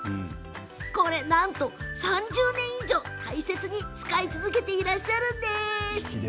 なんと３０年以上、大切に使い続けていらっしゃるんです。